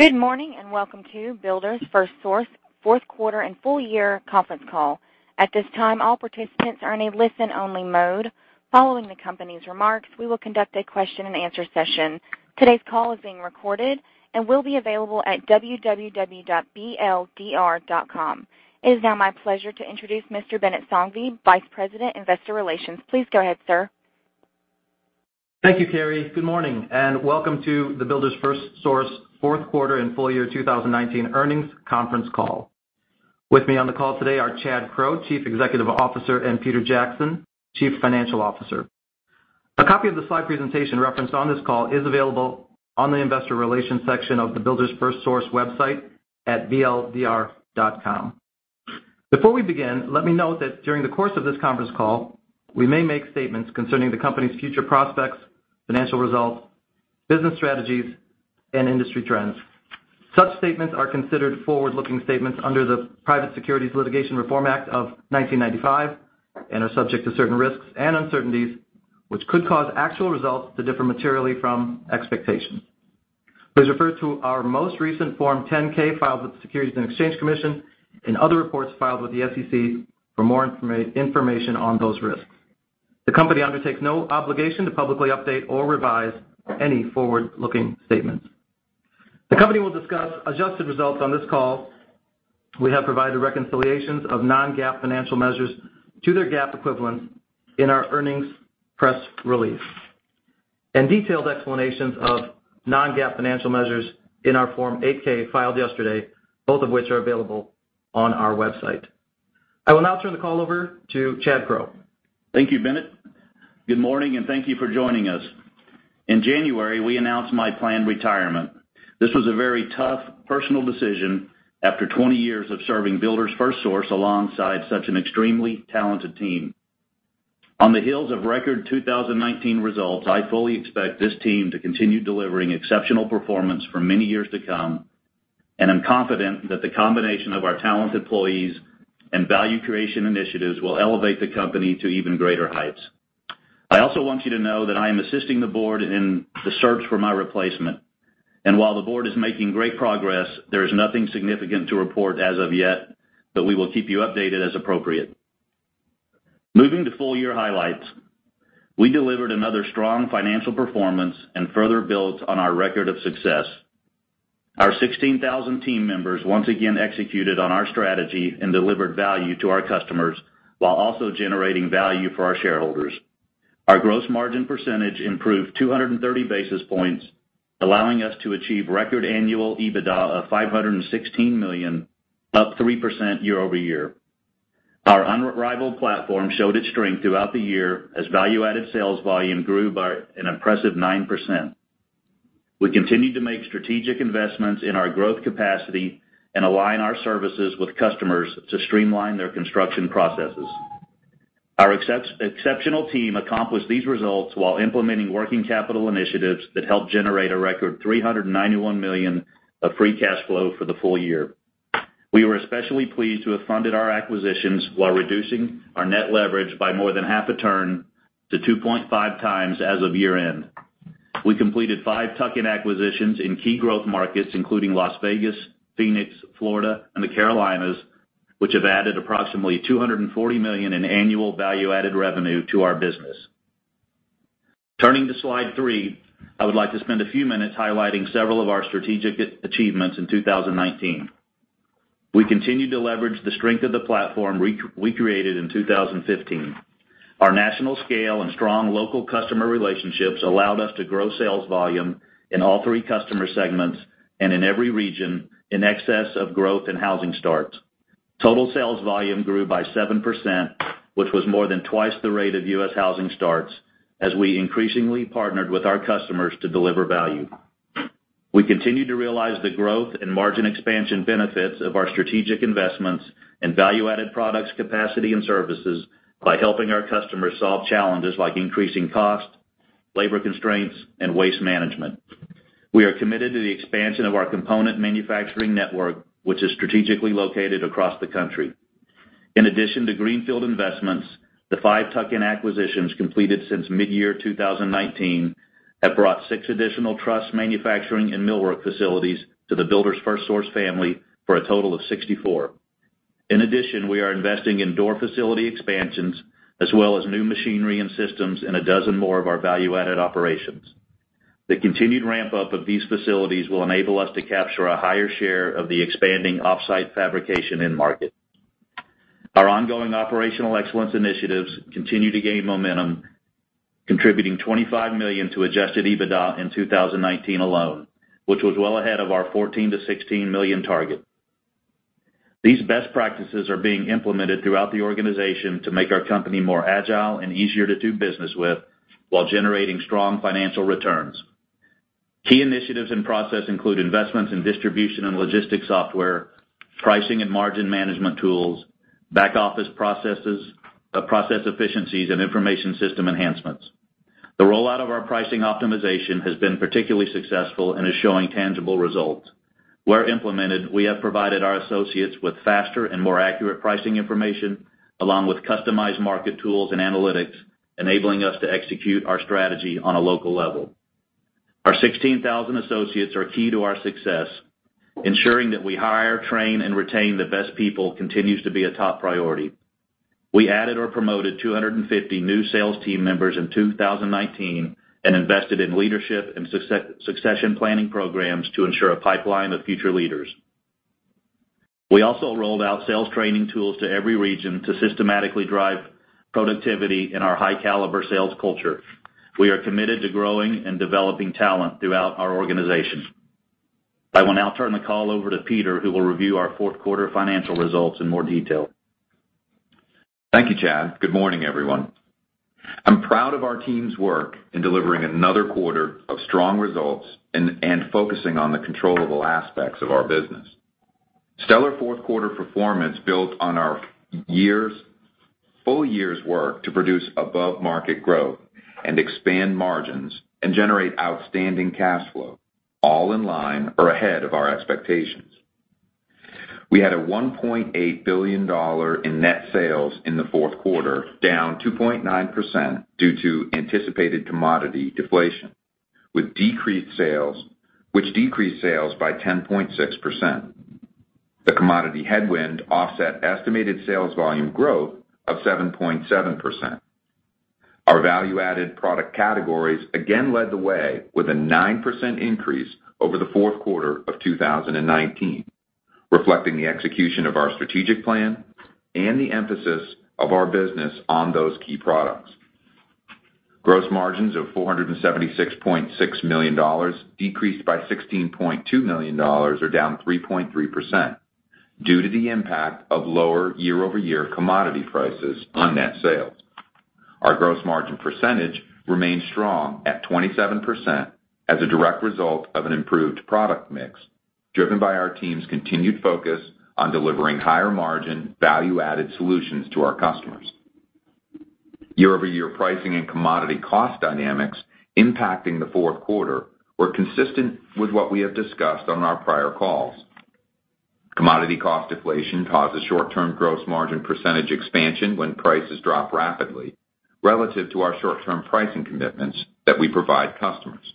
Good morning, and welcome to Builders FirstSource Fourth Quarter and Full Year Conference Call. At this time, all participants are in a listen-only mode. Following the company's remarks, we will conduct a question and answer session. Today's call is being recorded and will be available at www.bldr.com. It is now my pleasure to introduce Mr. Binit Sanghvi, Vice President, Investor Relations. Please go ahead, sir. Thank you, Carrie. Good morning, and welcome to the Builders FirstSource Fourth Quarter and Full Year 2019 earnings conference call. With me on the call today are Chad Crow, Chief Executive Officer, and Peter Jackson, Chief Financial Officer. A copy of the slide presentation referenced on this call is available on the investor relations section of the Builders FirstSource website at bldr.com. Before we begin, let me note that during the course of this conference call, we may make statements concerning the company's future prospects, financial results, business strategies, and industry trends. Such statements are considered forward-looking statements under the Private Securities Litigation Reform Act of 1995 and are subject to certain risks and uncertainties, which could cause actual results to differ materially from expectations. Please refer to our most recent Form 10-K filed with the Securities and Exchange Commission and other reports filed with the SEC for more information on those risks. The company undertakes no obligation to publicly update or revise any forward-looking statements. The company will discuss adjusted results on this call. We have provided reconciliations of non-GAAP financial measures to their GAAP equivalents in our earnings press release, and detailed explanations of non-GAAP financial measures in our Form 8-K filed yesterday, both of which are available on our website. I will now turn the call over to Chad Crow. Thank you, Binit. Good morning. Thank you for joining us. In January, we announced my planned retirement. This was a very tough personal decision after 20 years of serving Builders FirstSource alongside such an extremely talented team. On the heels of record 2019 results, I fully expect this team to continue delivering exceptional performance for many years to come, and I'm confident that the combination of our talent employees and value creation initiatives will elevate the company to even greater heights. I also want you to know that I am assisting the board in the search for my replacement. While the board is making great progress, there is nothing significant to report as of yet. We will keep you updated as appropriate. Moving to full-year highlights, we delivered another strong financial performance and further built on our record of success. Our 16,000 team members once again executed on our strategy and delivered value to our customers while also generating value for our shareholders. Our gross margin percentage improved 230 basis points, allowing us to achieve record annual EBITDA of $516 million, up 3% year over year. Our unrivaled platform showed its strength throughout the year as value-added sales volume grew by an impressive 9%. We continued to make strategic investments in our growth capacity and align our services with customers to streamline their construction processes. Our exceptional team accomplished these results while implementing working capital initiatives that helped generate a record $391 million of free cash flow for the full year. We were especially pleased to have funded our acquisitions while reducing our net leverage by more than half a turn to 2.5x as of year-end. We completed five tuck-in acquisitions in key growth markets, including Las Vegas, Phoenix, Florida, and the Carolinas, which have added approximately $240 million in annual value-added revenue to our business. Turning to slide three, I would like to spend a few minutes highlighting several of our strategic achievements in 2019. We continued to leverage the strength of the platform we created in 2015. Our national scale and strong local customer relationships allowed us to grow sales volume in all three customer segments and in every region in excess of growth in housing starts. Total sales volume grew by 7%, which was more than twice the rate of U.S. housing starts, as we increasingly partnered with our customers to deliver value. We continued to realize the growth and margin expansion benefits of our strategic investments in value-added products capacity and services by helping our customers solve challenges like increasing cost, labor constraints, and waste management. We are committed to the expansion of our component manufacturing network, which is strategically located across the country. In addition to greenfield investments, the five tuck-in acquisitions completed since mid-year 2019 have brought six additional truss manufacturing and millwork facilities to the Builders FirstSource family for a total of 64. In addition, we are investing in door facility expansions as well as new machinery and systems in 12 more of our value-added operations. The continued ramp-up of these facilities will enable us to capture a higher share of the expanding off-site fabrication end market. Our ongoing operational excellence initiatives continue to gain momentum, contributing $25 million to adjusted EBITDA in 2019 alone, which was well ahead of our $14 million-$16 million target. These best practices are being implemented throughout the organization to make our company more agile and easier to do business with while generating strong financial returns. Key initiatives in process include investments in distribution and logistics software, pricing and margin management tools, back-office process efficiencies, and information system enhancements. The rollout of our pricing optimization has been particularly successful and is showing tangible results. Where implemented, we have provided our associates with faster and more accurate pricing information along with customized market tools and analytics, enabling us to execute our strategy on a local level. Our 16,000 associates are key to our success, ensuring that we hire, train, and retain the best people continues to be a top priority. We added or promoted 250 new sales team members in 2019 and invested in leadership and succession planning programs to ensure a pipeline of future leaders. We also rolled out sales training tools to every region to systematically drive productivity in our high-caliber sales culture. We are committed to growing and developing talent throughout our organization. I will now turn the call over to Peter, who will review our fourth quarter financial results in more detail. Thank you, Chad. Good morning, everyone. I'm proud of our team's work in delivering another quarter of strong results and focusing on the controllable aspects of our business. Stellar fourth quarter performance built on our full year's work to produce above-market growth and expand margins and generate outstanding cash flow, all in line or ahead of our expectations. We had a $1.8 billion in net sales in the fourth quarter, down 2.9% due to anticipated commodity deflation, which decreased sales by 10.6%. The commodity headwind offset estimated sales volume growth of 7.7%. Our value-added product categories again led the way with a 9% increase over the fourth quarter of 2019, reflecting the execution of our strategic plan and the emphasis of our business on those key products. Gross margins of $476.6 million decreased by $16.2 million or down 3.3% due to the impact of lower year-over-year commodity prices on net sales. Our gross margin percentage remained strong at 27% as a direct result of an improved product mix, driven by our team's continued focus on delivering higher-margin, value-added solutions to our customers. Year-over-year pricing and commodity cost dynamics impacting the fourth quarter were consistent with what we have discussed on our prior calls. Commodity cost deflation causes short-term gross margin percentage expansion when prices drop rapidly relative to our short-term pricing commitments that we provide customers.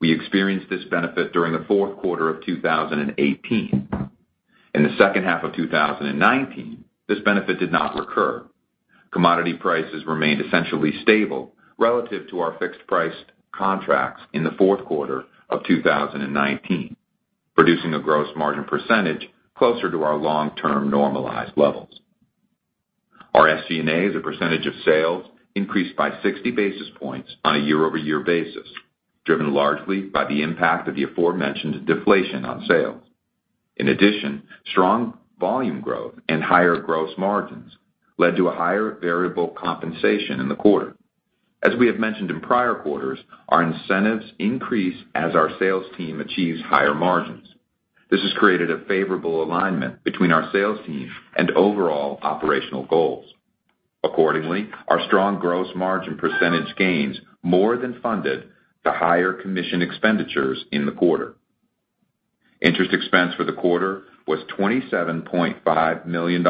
We experienced this benefit during the fourth quarter of 2018. In the second half of 2019, this benefit did not recur. Commodity prices remained essentially stable relative to our fixed-priced contracts in the fourth quarter of 2019, producing a gross margin percentage closer to our long-term normalized levels. Our SG&A as a percentage of sales increased by 60 basis points on a year-over-year basis, driven largely by the impact of the aforementioned deflation on sales. Strong volume growth and higher gross margins led to a higher variable compensation in the quarter. As we have mentioned in prior quarters, our incentives increase as our sales team achieves higher margins. This has created a favorable alignment between our sales team and overall operational goals. Our strong gross margin percentage gains more than funded the higher commission expenditures in the quarter. Interest expense for the quarter was $27.5 million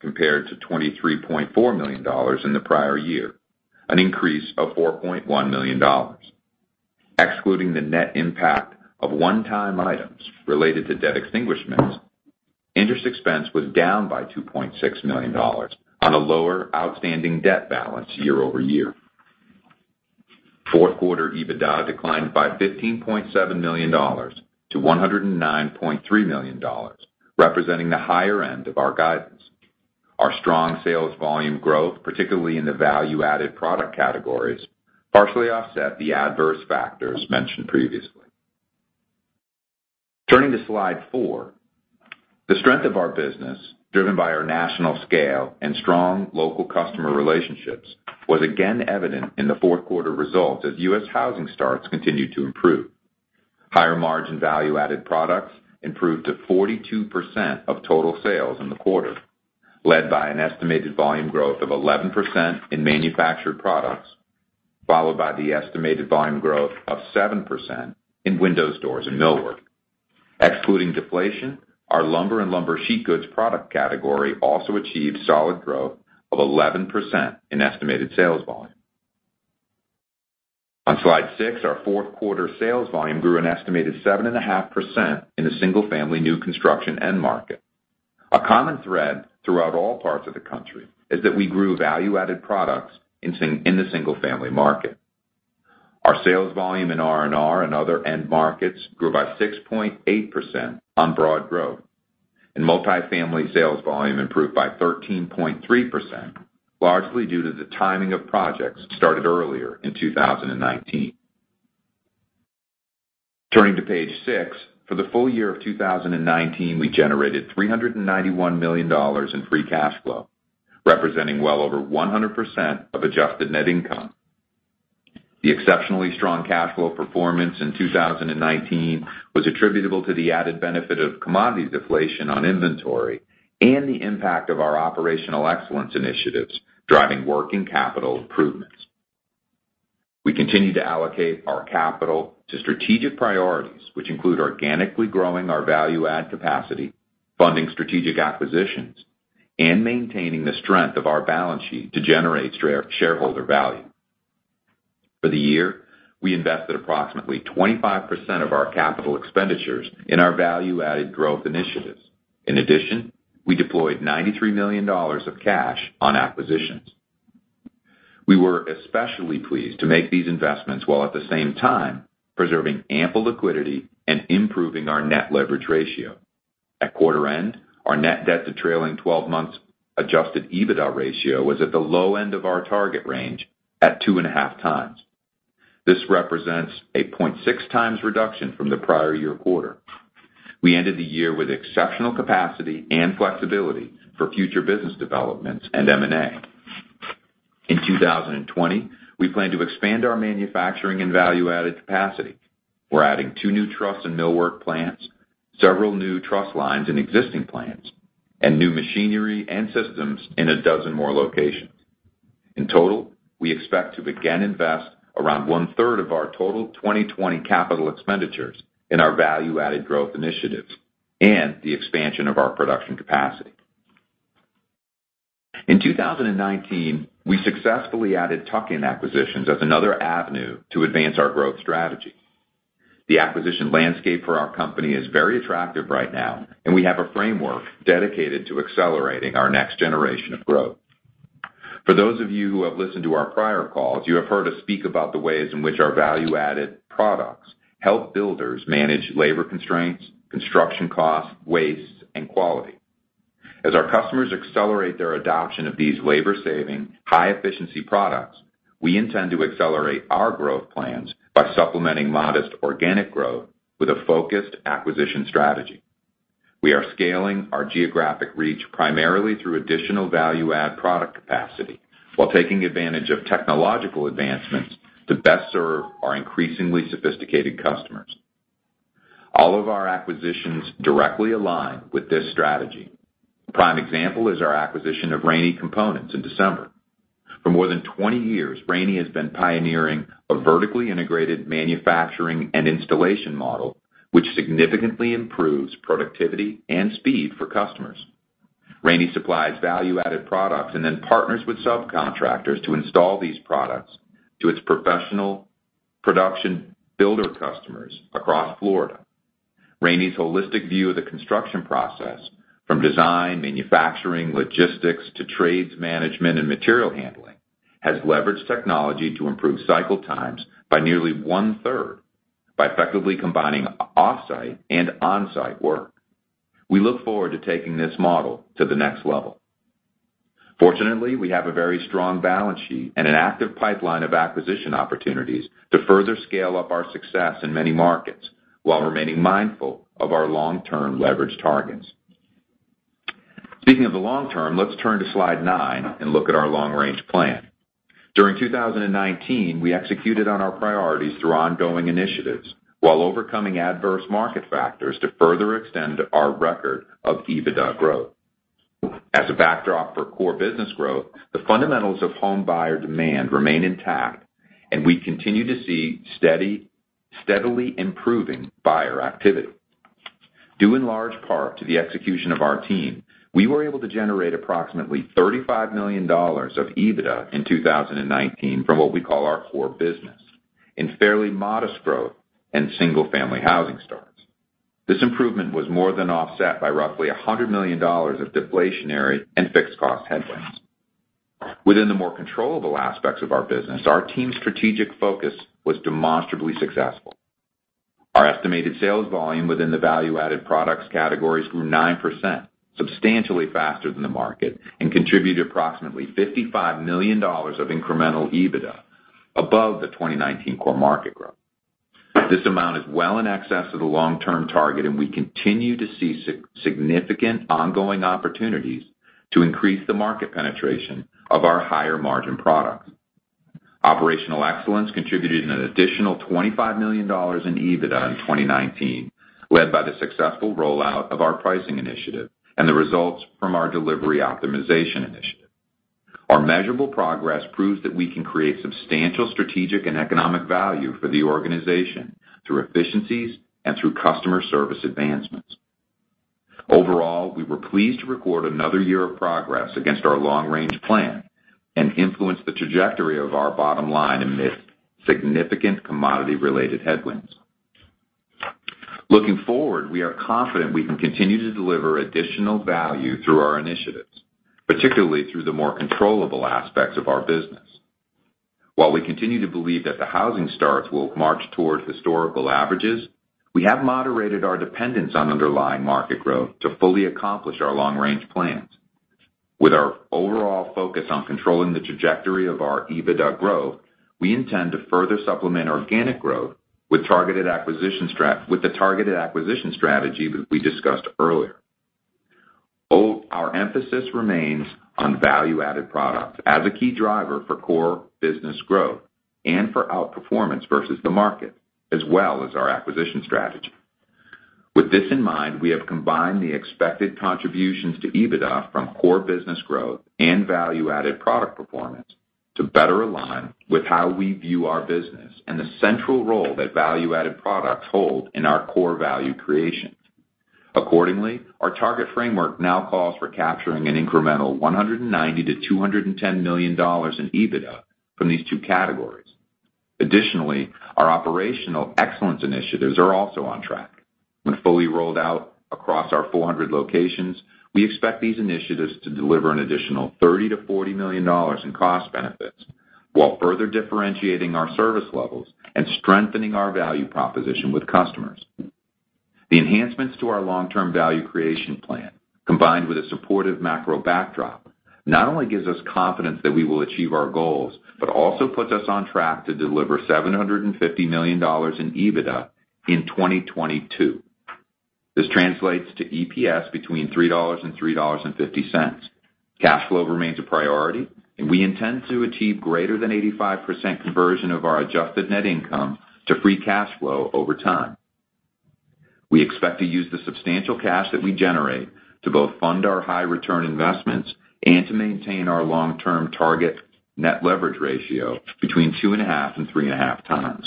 compared to $23.4 million in the prior year, an increase of $4.1 million. Excluding the net impact of one-time items related to debt extinguishments, interest expense was down by $2.6 million on a lower outstanding debt balance year-over-year. Fourth quarter EBITDA declined by $15.7 million to $109.3 million, representing the higher end of our guidance. Our strong sales volume growth, particularly in the value-added product categories, partially offset the adverse factors mentioned previously. Turning to slide four, the strength of our business, driven by our national scale and strong local customer relationships, was again evident in the fourth quarter results as U.S. housing starts continued to improve. Higher-margin value-added products improved to 42% of total sales in the quarter, led by an estimated volume growth of 11% in manufactured products, followed by the estimated volume growth of 7% in windows, doors, and millwork. Excluding deflation, our lumber and lumber sheet goods product category also achieved solid growth of 11% in estimated sales volume. On slide six, our fourth quarter sales volume grew an estimated 7.5% in the single-family new construction end market. A common thread throughout all parts of the country is that we grew value-added products in the single-family market. Our sales volume in R&R and other end markets grew by 6.8% on broad growth, and multifamily sales volume improved by 13.3%, largely due to the timing of projects started earlier in 2019. Turning to page six, for the full year of 2019, we generated $391 million in free cash flow, representing well over 100% of adjusted net income. The exceptionally strong cash flow performance in 2019 was attributable to the added benefit of commodity deflation on inventory and the impact of our operational excellence initiatives driving working capital improvements. We continue to allocate our capital to strategic priorities, which include organically growing our value-add capacity, funding strategic acquisitions, and maintaining the strength of our balance sheet to generate shareholder value. For the year, we invested approximately 25% of our capital expenditures in our value-added growth initiatives. We deployed $93 million of cash on acquisitions. We were especially pleased to make these investments while at the same time preserving ample liquidity and improving our net leverage ratio. At quarter end, our net debt to trailing 12 months adjusted EBITDA ratio was at the low end of our target range at 2.5x. This represents a 0.6x reduction from the prior year quarter. We ended the year with exceptional capacity and flexibility for future business developments and M&A. In 2020, we plan to expand our manufacturing and value-added capacity. We're adding two new truss and millwork plants, several new truss lines in existing plants, and new machinery and systems in a dozen more locations. In total, we expect to again invest around one-third of our total 2020 capital expenditures in our value-added growth initiatives and the expansion of our production capacity. In 2019, we successfully added tuck-in acquisitions as another avenue to advance our growth strategy. The acquisition landscape for our company is very attractive right now, and we have a framework dedicated to accelerating our next generation of growth. For those of you who have listened to our prior calls, you have heard us speak about the ways in which our value-added products help builders manage labor constraints, construction costs, waste, and quality. As our customers accelerate their adoption of these labor-saving, high-efficiency products, we intend to accelerate our growth plans by supplementing modest organic growth with a focused acquisition strategy. We are scaling our geographic reach primarily through additional value-add product capacity while taking advantage of technological advancements to best serve our increasingly sophisticated customers. All of our acquisitions directly align with this strategy. A prime example is our acquisition of Raney Components in December. For more than 20 years, Raney has been pioneering a vertically integrated manufacturing and installation model, which significantly improves productivity and speed for customers. Raney supplies value-added products and then partners with subcontractors to install these products to its professional production builder customers across Florida. Raney's holistic view of the construction process from design, manufacturing, logistics to trades management and material handling has leveraged technology to improve cycle times by nearly one-third by effectively combining off-site and on-site work. We look forward to taking this model to the next level. Fortunately, we have a very strong balance sheet and an active pipeline of acquisition opportunities to further scale up our success in many markets while remaining mindful of our long-term leverage targets. Speaking of the long term, let's turn to slide nine and look at our long-range plan. During 2019, we executed on our priorities through ongoing initiatives while overcoming adverse market factors to further extend our record of EBITDA growth. As a backdrop for core business growth, the fundamentals of home buyer demand remain intact, and we continue to see steadily improving buyer activity. Due in large part to the execution of our team, we were able to generate approximately $35 million of EBITDA in 2019 from what we call our core business in fairly modest growth and single-family housing starts. This improvement was more than offset by roughly $100 million of deflationary and fixed cost headwinds. Within the more controllable aspects of our business, our team's strategic focus was demonstrably successful. Our estimated sales volume within the value-added products categories grew 9%, substantially faster than the market, and contributed approximately $55 million of incremental EBITDA above the 2019 core market growth. This amount is well in excess of the long-term target, and we continue to see significant ongoing opportunities to increase the market penetration of our higher-margin products. Operational excellence contributed an additional $25 million in EBITDA in 2019, led by the successful rollout of our Pricing Initiative and the results from our Delivery Optimization Initiative. Our measurable progress proves that we can create substantial strategic and economic value for the organization through efficiencies and through customer service advancements. Overall, we were pleased to record another year of progress against our long-range plan and influence the trajectory of our bottom line amidst significant commodity-related headwinds. Looking forward, we are confident we can continue to deliver additional value through our initiatives, particularly through the more controllable aspects of our business. While we continue to believe that the housing starts will march towards historical averages, we have moderated our dependence on underlying market growth to fully accomplish our long-range plans. With our overall focus on controlling the trajectory of our EBITDA growth, we intend to further supplement organic growth with the targeted acquisition strategy that we discussed earlier. Our emphasis remains on value-added products as a key driver for core business growth and for outperformance versus the market, as well as our acquisition strategy. With this in mind, we have combined the expected contributions to EBITDA from core business growth and value-added product performance to better align with how we view our business and the central role that value-added products hold in our core value creation. Accordingly, our target framework now calls for capturing an incremental $190 million-$210 million in EBITDA from these two categories. Additionally, our operational excellence initiatives are also on track. When fully rolled out across our 400 locations, we expect these initiatives to deliver an additional $30 million-$40 million in cost benefits while further differentiating our service levels and strengthening our value proposition with customers. The enhancements to our long-term value creation plan, combined with a supportive macro backdrop, not only gives us confidence that we will achieve our goals, but also puts us on track to deliver $750 million in EBITDA in 2022. This translates to EPS between $3 and $3.50. Cash flow remains a priority, and we intend to achieve greater than 85% conversion of our adjusted net income to free cash flow over time. We expect to use the substantial cash that we generate to both fund our high return investments and to maintain our long-term target net leverage ratio between 2.5 and 3.5x.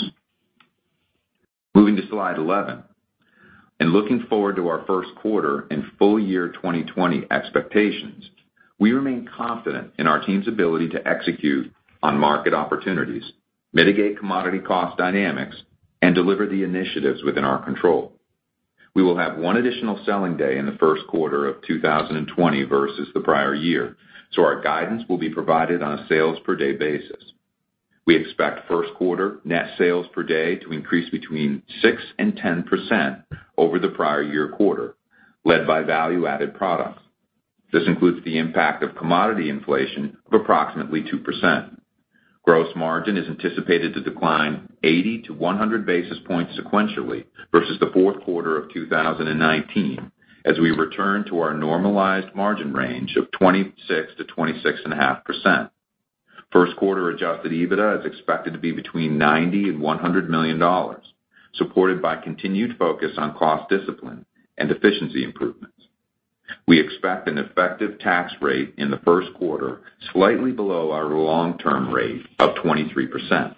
Moving to slide 11, looking forward to our first quarter and full year 2020 expectations, we remain confident in our team's ability to execute on market opportunities, mitigate commodity cost dynamics, and deliver the initiatives within our control. We will have one additional selling day in the first quarter of 2020 versus the prior year, our guidance will be provided on a sales per day basis. We expect first quarter net sales per day to increase between 6% and 10% over the prior year quarter, led by value-added products. This includes the impact of commodity inflation of approximately 2%. Gross margin is anticipated to decline 80-100 basis points sequentially versus the fourth quarter of 2019, as we return to our normalized margin range of 26%-26.5%. First quarter adjusted EBITDA is expected to be between $90 million and $100 million, supported by continued focus on cost discipline and efficiency improvements. We expect an effective tax rate in the first quarter slightly below our long-term rate of 23%.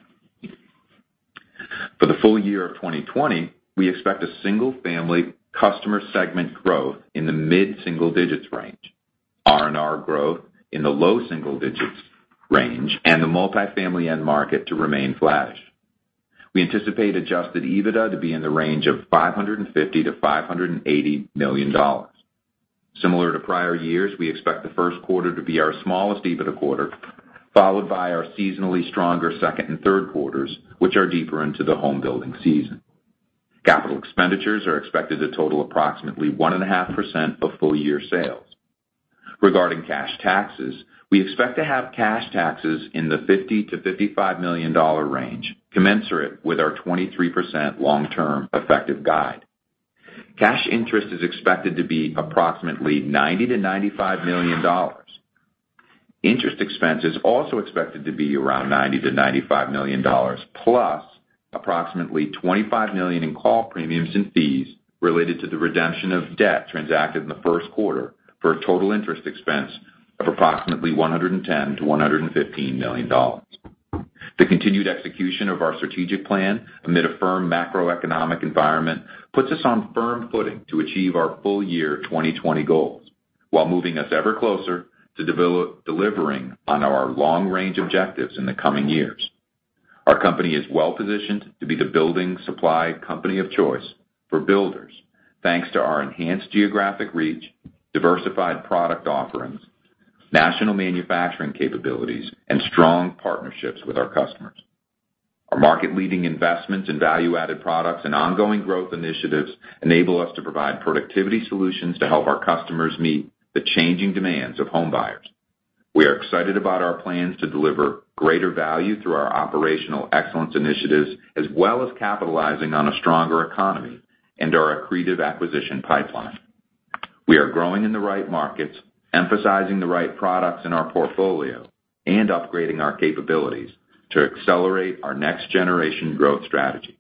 For the full year of 2020, we expect a single-family customer segment growth in the mid-single digits range, RNR growth in the low double digits range, and the multifamily end market to remain flattish. We anticipate adjusted EBITDA to be in the range of $550 million-$580 million. Similar to prior years, we expect the first quarter to be our smallest EBITDA quarter, followed by our seasonally stronger second and third quarters, which are deeper into the home building season. Capital expenditures are expected to total approximately 1.5% of full-year sales. Regarding cash taxes, we expect to have cash taxes in the $50 million-$55 million range, commensurate with our 23% long-term effective guide. Cash interest is expected to be approximately $90 million-$95 million. Interest expense is also expected to be around $90 million-$95 million, plus approximately $25 million in call premiums and fees related to the redemption of debt transacted in the first quarter, for a total interest expense of approximately $110 million-$115 million. The continued execution of our strategic plan amid a firm macroeconomic environment puts us on firm footing to achieve our full year 2020 goals, while moving us ever closer to delivering on our long-range objectives in the coming years. Our company is well-positioned to be the building supply company of choice for builders, thanks to our enhanced geographic reach, diversified product offerings, national manufacturing capabilities, and strong partnerships with our customers. Our market-leading investments in value-added products and ongoing growth initiatives enable us to provide productivity solutions to help our customers meet the changing demands of homebuyers. We are excited about our plans to deliver greater value through our operational excellence initiatives, as well as capitalizing on a stronger economy and our accretive acquisition pipeline. We are growing in the right markets, emphasizing the right products in our portfolio, and upgrading our capabilities to accelerate our next-generation growth strategy.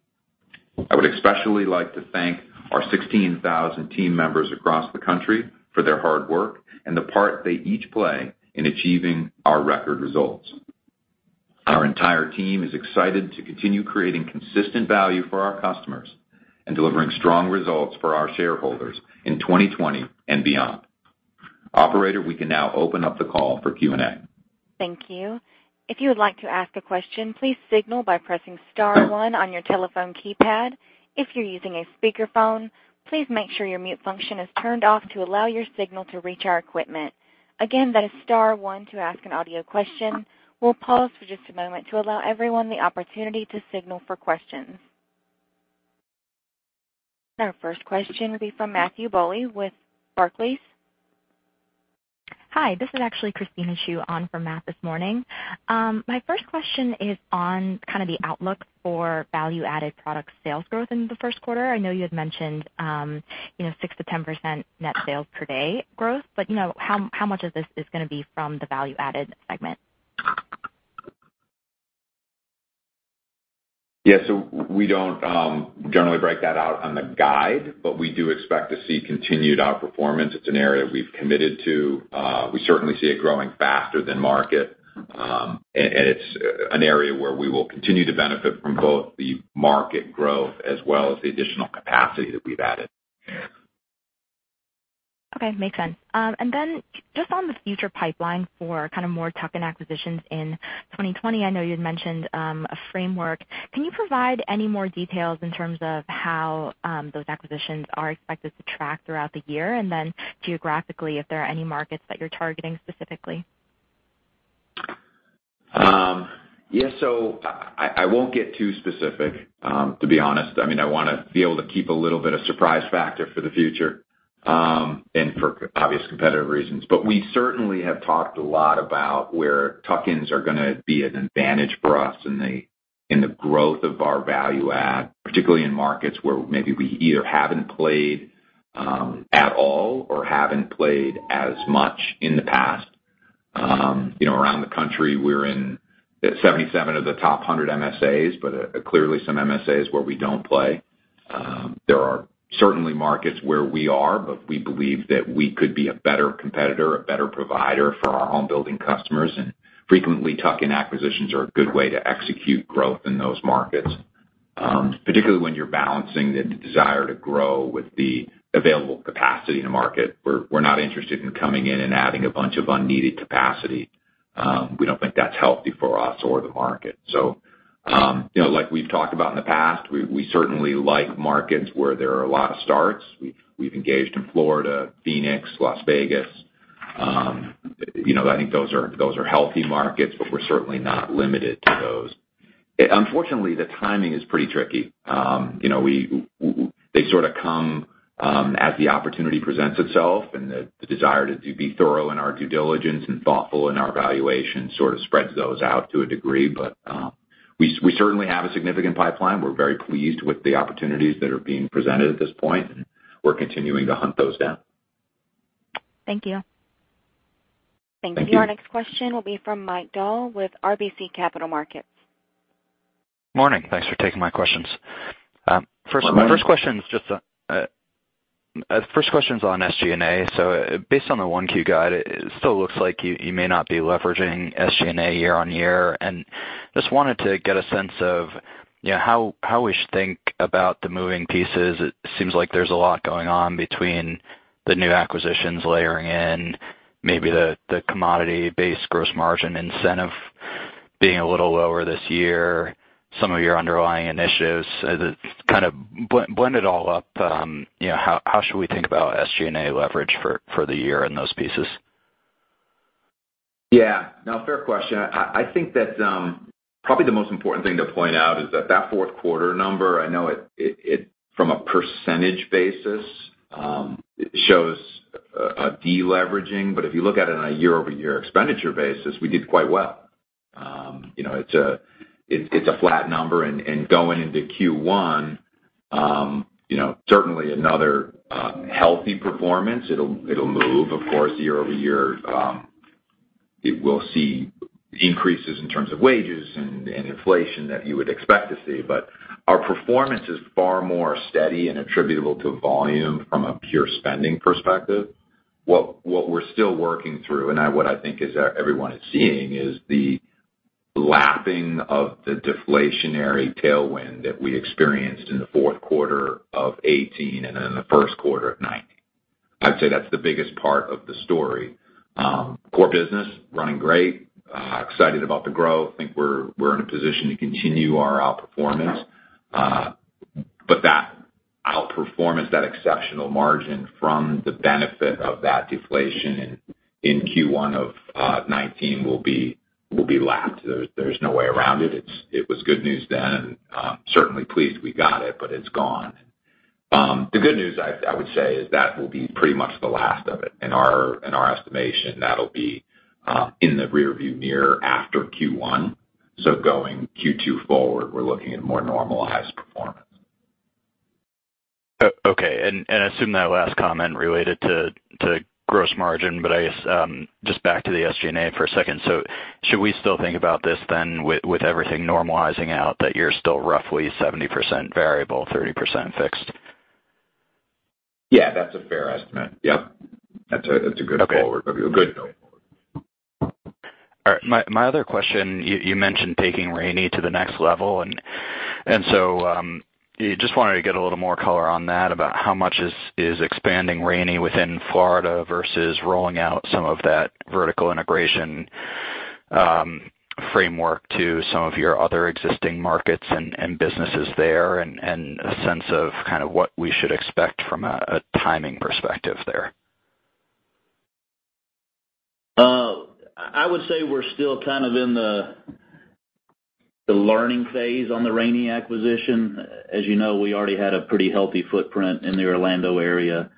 I would especially like to thank our 16,000 team members across the country for their hard work and the part they each play in achieving our record results. Our entire team is excited to continue creating consistent value for our customers and delivering strong results for our shareholders in 2020 and beyond. Operator, we can now open up the call for Q&A. Thank you. If you would like to ask a question, please signal by pressing star one on your telephone keypad. If you're using a speakerphone, please make sure your mute function is turned off to allow your signal to reach our equipment. Again, that is star one to ask an audio question. We'll pause for just a moment to allow everyone the opportunity to signal for questions. Our first question will be from Matthew Bouley with Barclays. Hi, this is actually Christina Xu on for Matt this morning. My first question is on kind of the outlook for value-added product sales growth in the first quarter. I know you had mentioned 6%-10% net sales per day growth, but how much of this is going to be from the value-added segment? Yes. We don't generally break that out on the guide, but we do expect to see continued outperformance. It's an area we've committed to. We certainly see it growing faster than market, and it's an area where we will continue to benefit from both the market growth as well as the additional capacity that we've added. Okay. Makes sense. Just on the future pipeline for kind of more tuck-in acquisitions in 2020, I know you had mentioned a framework. Can you provide any more details in terms of how those acquisitions are expected to track throughout the year? Geographically, if there are any markets that you're targeting specifically? Yes. I won't get too specific, to be honest. I want to be able to keep a little bit of surprise factor for the future, and for obvious competitive reasons. We certainly have talked a lot about where tuck-ins are going to be an advantage for us in the growth of our value add, particularly in markets where maybe we either haven't played at all or haven't played as much in the past. Around the country, we're in 77 of the top 100 MSAs, but clearly some MSAs where we don't play. There are certainly markets where we are, but we believe that we could be a better competitor, a better provider for our home building customers, and frequently, tuck-in acquisitions are a good way to execute growth in those markets. Particularly when you're balancing the desire to grow with the available capacity in the market. We're not interested in coming in and adding a bunch of unneeded capacity. We don't think that's healthy for us or the market. Like we've talked about in the past, we certainly like markets where there are a lot of starts. We've engaged in Florida, Phoenix, Las Vegas. I think those are healthy markets, but we're certainly not limited to those. Unfortunately, the timing is pretty tricky. They sort of come as the opportunity presents itself, and the desire to be thorough in our due diligence and thoughtful in our valuation sort of spreads those out to a degree. We certainly have a significant pipeline. We're very pleased with the opportunities that are being presented at this point, and we're continuing to hunt those down. Thank you. Thank you. Thank you. Our next question will be from Mike Dahl with RBC Capital Markets. Morning. Thanks for taking my questions. Morning. First question is on SG&A. Based on the 1Q guide, it still looks like you may not be leveraging SG&A year-on-year. Just wanted to get a sense of how we should think about the moving pieces. It seems like there's a lot going on between the new acquisitions layering in, maybe the commodity base gross margin incentive being a little lower this year, some of your underlying initiatives kind of blended all up. How should we think about SG&A leverage for the year in those pieces? Yeah. No, fair question. I think that probably the most important thing to point out is that fourth quarter number, I know from a percentage basis, it shows a deleveraging. If you look at it on a year-over-year expenditure basis, we did quite well. It's a flat number and going into Q1, certainly another healthy performance. It'll move, of course, year-over-year. We'll see increases in terms of wages and inflation that you would expect to see. Our performance is far more steady and attributable to volume from a pure spending perspective. What we're still working through, and what I think everyone is seeing, is the lapping of the deflationary tailwind that we experienced in the fourth quarter of 2018 and in the first quarter of 2019. I'd say that's the biggest part of the story. Core business, running great. Excited about the growth. I think we're in a position to continue our outperformance. That outperformance, that exceptional margin from the benefit of that deflation in Q1 of 2019 will be lapped. There's no way around it. It was good news then, and certainly pleased we got it, but it's gone. The good news, I would say, is that will be pretty much the last of it. In our estimation, that'll be in the rear view mirror after Q1. Going Q2 forward, we're looking at more normalized performance. Okay. I assume that last comment related to gross margin. I guess, just back to the SG&A for a second. Should we still think about this then with everything normalizing out, that you're still roughly 70% variable, 30% fixed? Yeah, that's a fair estimate. Yep. That's a good call. Okay. All right. My other question, you mentioned taking Raney to the next level, and so just wanted to get a little more color on that about how much is expanding Raney within Florida versus rolling out some of that vertical integration framework to some of your other existing markets and businesses there, and a sense of kind of what we should expect from a timing perspective there. I would say we're still kind of in the learning phase on the Raney acquisition. As you know, we already had a pretty healthy footprint in the Orlando area.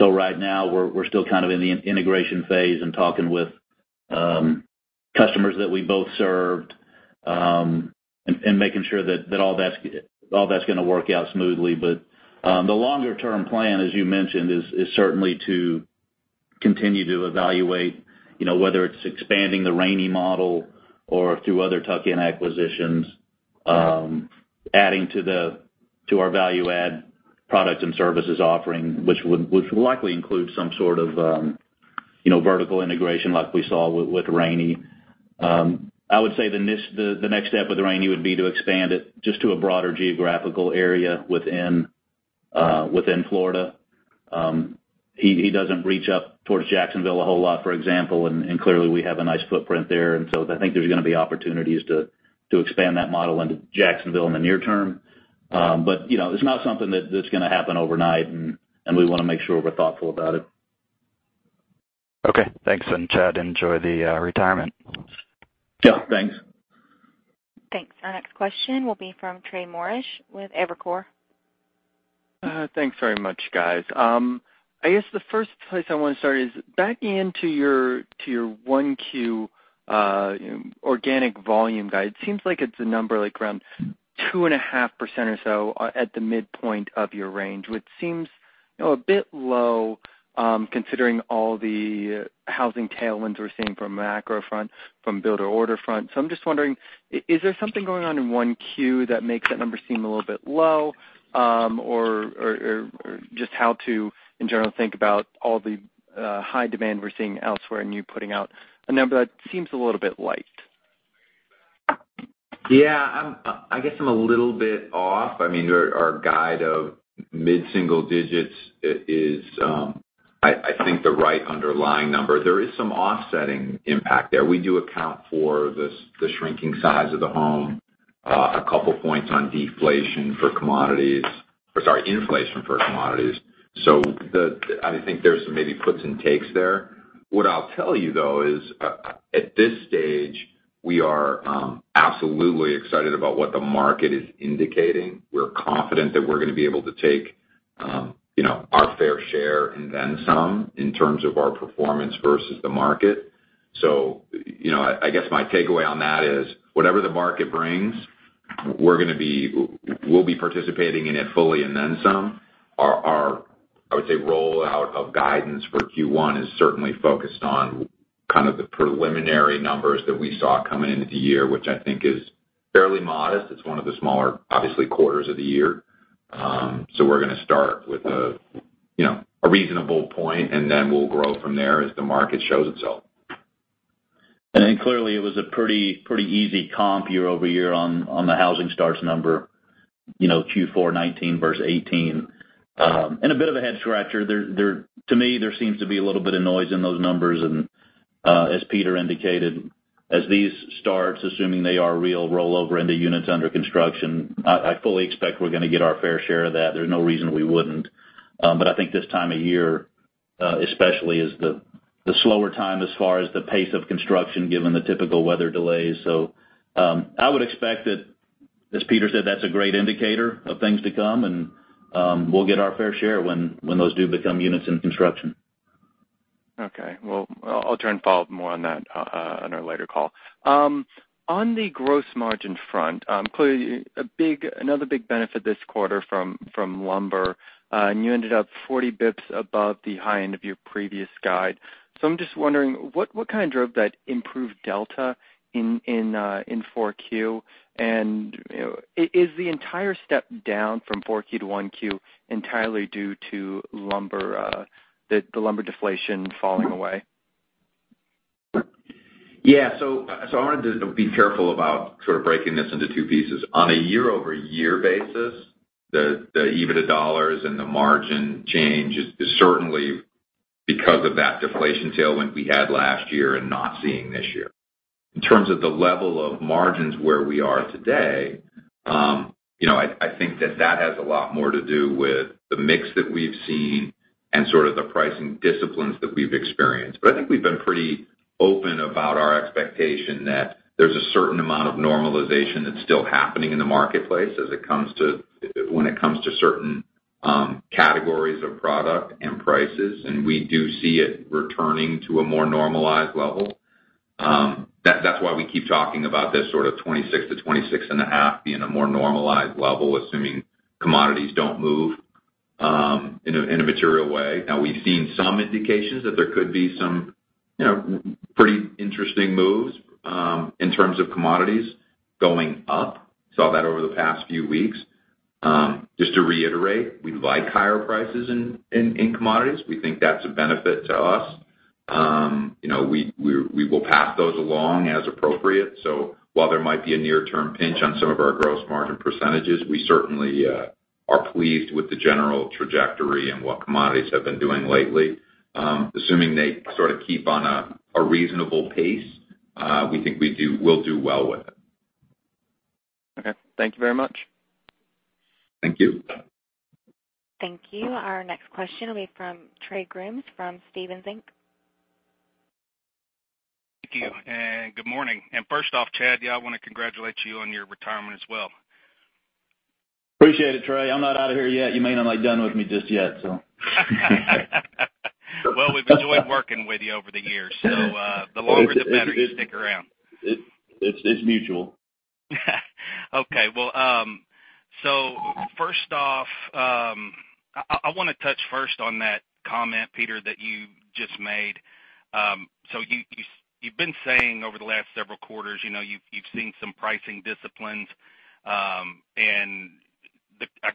Right now, we're still kind of in the integration phase and talking with customers that we both served, and making sure that all that's going to work out smoothly. The longer-term plan, as you mentioned, is certainly to Continue to evaluate, whether it's expanding the Raney model or through other tuck-in acquisitions, adding to our value-add product and services offering, which will likely include some sort of vertical integration like we saw with Raney. I would say the next step with Raney would be to expand it just to a broader geographical area within Florida. He doesn't reach up towards Jacksonville a whole lot, for example, and clearly we have a nice footprint there. I think there's going to be opportunities to expand that model into Jacksonville in the near term. It's not something that's going to happen overnight, and we want to make sure we're thoughtful about it. Okay, thanks. Chad, enjoy the retirement. Yeah, thanks. Thanks. Our next question will be from Trey Morrish with Evercore. Thanks very much, guys. I guess the first place I want to start is back into your 1Q organic volume guide. Seems like it's a number like around 2.5% or so at the midpoint of your range, which seems a bit low considering all the housing tailwinds we're seeing from a macro front, from builder order front. I'm just wondering, is there something going on in 1Q that makes that number seem a little bit low? Just how to, in general, think about all the high demand we're seeing elsewhere and you putting out a number that seems a little bit light. Yeah, I guess I'm a little bit off. Our guide of mid-single digits is, I think, the right underlying number. There is some offsetting impact there. We do account for the shrinking size of the home, a couple points on deflation for commodities. Sorry, inflation for commodities. I think there's some maybe puts and takes there. What I'll tell you, though, is at this stage, we are absolutely excited about what the market is indicating. We're confident that we're going to be able to take our fair share and then some in terms of our performance versus the market. I guess my takeaway on that is whatever the market brings, we'll be participating in it fully and then some. Our, I would say, rollout of guidance for Q1 is certainly focused on kind of the preliminary numbers that we saw coming into the year, which I think is fairly modest. It's one of the smaller, obviously, quarters of the year. We're going to start with a reasonable point, then we'll grow from there as the market shows itself. Clearly it was a pretty easy comp year-over-year on the housing starts number, Q4 2019 versus 2018. A bit of a head scratcher. To me, there seems to be a little bit of noise in those numbers. As Peter indicated, as these starts, assuming they are real, roll over into units under construction, I fully expect we're going to get our fair share of that. There's no reason we wouldn't. I think this time of year especially is the slower time as far as the pace of construction, given the typical weather delays. I would expect that, as Peter said, that's a great indicator of things to come, and we'll get our fair share when those do become units in construction. Okay. Well, I'll try and follow up more on that on our later call. On the gross margin front, clearly another big benefit this quarter from lumber. You ended up 40 basis points above the high end of your previous guide. I'm just wondering, what kind of drove that improved delta in 4Q? Is the entire step down from 4Q to 1Q entirely due to the lumber deflation falling away? I wanted to be careful about sort of breaking this into two pieces. On a year-over-year basis, the EBITDA dollars and the margin change is certainly because of that deflation tailwind we had last year and not seeing this year. In terms of the level of margins where we are today, I think that that has a lot more to do with the mix that we've seen and sort of the pricing disciplines that we've experienced. I think we've been pretty open about our expectation that there's a certain amount of normalization that's still happening in the marketplace when it comes to certain categories of product and prices, and we do see it returning to a more normalized level. That's why we keep talking about this sort of 26%-26.5% being a more normalized level, assuming commodities don't move in a material way. We've seen some indications that there could be some pretty interesting moves in terms of commodities going up. Saw that over the past few weeks. Just to reiterate, we like higher prices in commodities. We think that's a benefit to us. We will pass those along as appropriate. While there might be a near-term pinch on some of our gross margin %, we certainly are pleased with the general trajectory and what commodities have been doing lately. Assuming they sort of keep on a reasonable pace, we think we'll do well with it. Okay. Thank you very much. Thank you. Thank you. Our next question will be from Trey Grooms from Stephens Inc. Thank you, and good morning. First off, Chad, yeah, I want to congratulate you on your retirement as well. Appreciate it, Trey. I'm not out of here yet. You may not like dealing with me just yet. Well, we've enjoyed working with you over the years. The longer, the better you stick around. It's mutual. Okay. First off, I want to touch first on that comment, Peter, that you just made. You've been saying over the last several quarters, you've seen some pricing disciplines. I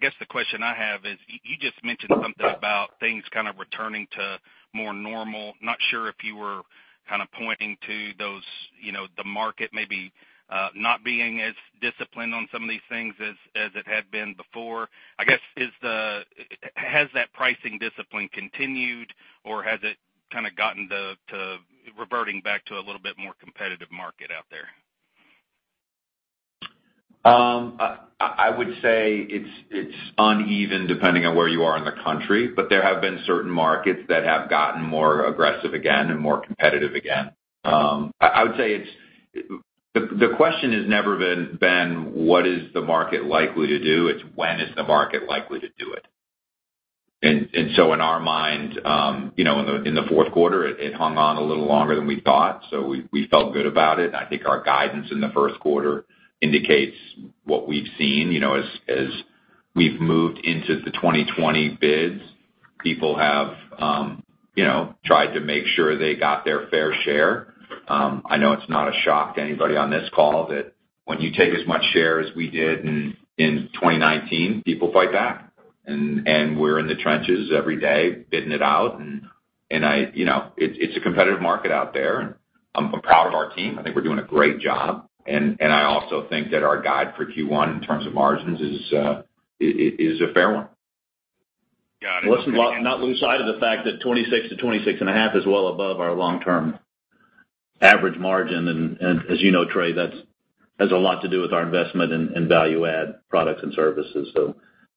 guess the question I have is, you just mentioned something about things kind of returning to more normal. Not sure if you were kind of pointing to the market, maybe not being as disciplined on some of these things as it had been before. I guess, has that pricing discipline continued, or has it kind of gotten to reverting back to a little bit more competitive market out there? I would say it's uneven depending on where you are in the country. There have been certain markets that have gotten more aggressive again and more competitive again. I would say the question has never been, what is the market likely to do? It's when is the market likely to do it? In our mind, in the fourth quarter, it hung on a little longer than we thought, so we felt good about it. I think our guidance in the first quarter indicates what we've seen. As we've moved into the 2020 bids, people have tried to make sure they got their fair share. I know it's not a shock to anybody on this call that when you take as much share as we did in 2019, people fight back. We're in the trenches every day bidding it out, and it's a competitive market out there, and I'm proud of our team. I think we're doing a great job. I also think that our guide for Q1 in terms of margins is a fair one. Got it. Let's not lose sight of the fact that 26%-26.5% is well above our long-term average margin. As you know, Trey, that has a lot to do with our investment in value-add products and services.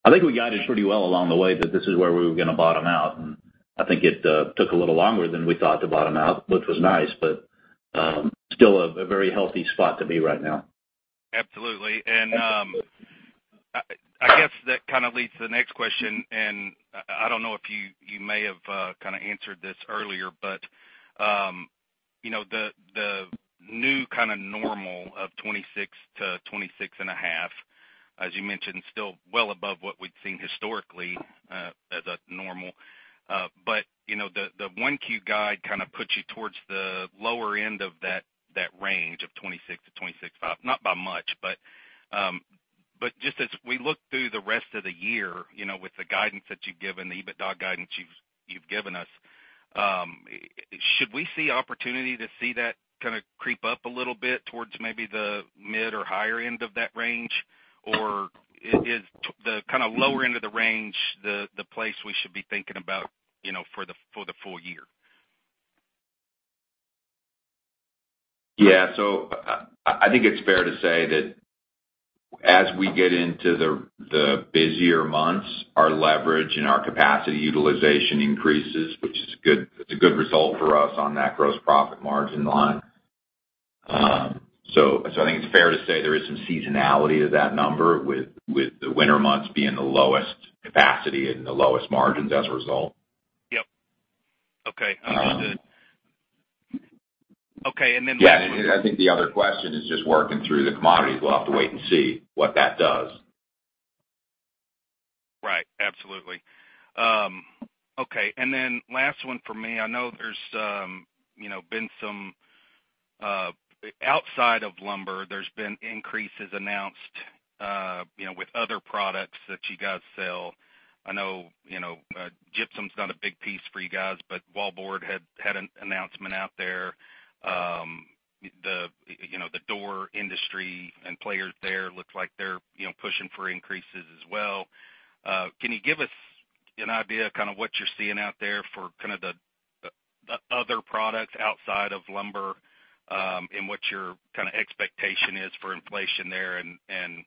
I think we guided pretty well along the way that this is where we were going to bottom out, and I think it took a little longer than we thought to bottom out, which was nice, but still a very healthy spot to be right now. Absolutely. I guess that kind of leads to the next question, and I don't know if you may have kind of answered this earlier, but the new kind of normal of 26%-26.5%, as you mentioned, still well above what we'd seen historically as a normal. The 1Q guide kind of puts you towards the lower end of that range of 26%-26.5%. Not by much, but just as we look through the rest of the year, with the guidance that you've given, the EBITDA guidance you've given us, should we see opportunity to see that kind of creep up a little bit towards maybe the mid or higher end of that range? Is the kind of lower end of the range the place we should be thinking about for the full year? Yeah. I think it's fair to say that as we get into the busier months, our leverage and our capacity utilization increases, which is a good result for us on that gross profit margin line. I think it's fair to say there is some seasonality to that number with the winter months being the lowest capacity and the lowest margins as a result. Yep. Okay. Yeah. I think the other question is just working through the commodities. We'll have to wait and see what that does. Right. Absolutely. Okay. Last one for me. I know outside of lumber, there's been increases announced with other products that you guys sell. I know gypsum's not a big piece for you guys, but Wallboard had an announcement out there. The door industry and players there looks like they're pushing for increases as well. Can you give us an idea kind of what you're seeing out there for kind of the other products outside of lumber and what your kind of expectation is for inflation there and